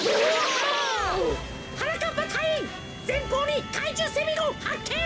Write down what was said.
はなかっぱたいいんぜんぽうにかいじゅうセミゴンはっけん！